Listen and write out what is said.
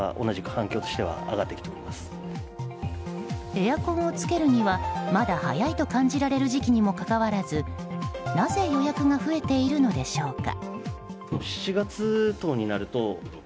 エアコンをつけるにはまだ早いと感じられる時期にもかかわらずなぜ予約が増えているのでしょうか。